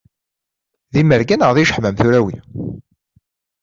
D imerga neɣ d iǧeḥmam tura wi?